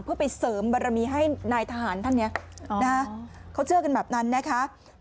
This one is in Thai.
เพื่อไปเสริมบารมีให้นายทหารท่านเนี่ยนะฮะเขาเชื่อกันแบบนั้นนะคะ